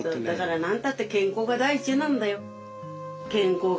だからなんたって健康が第一なんだよ。